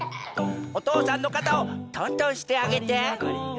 おとうさんのかたをとんとんしてあげて。